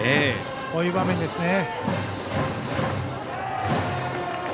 こういう場面ですね。